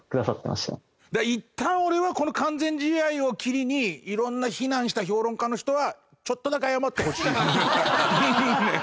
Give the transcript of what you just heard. いったん俺はこの完全試合をきりに色んな非難した評論家の人はちょっとだけ謝ってほしい。ねえ。